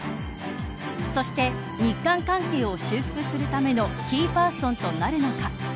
そして日韓関係を修復するためのキーパーソンとなるのか。